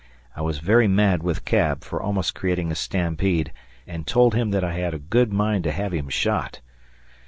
I was very mad with Cab for almost creating a stampede and told him that I had a good mind to have him shot.